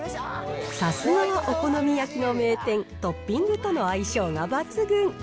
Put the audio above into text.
さすがのお好み焼きの名店、トッピングとの相性が抜群。